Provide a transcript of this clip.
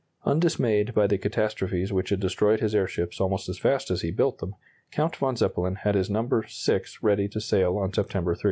Undismayed by the catastrophes which had destroyed his airships almost as fast as he built them, Count von Zeppelin had his number VI ready to sail on September 3.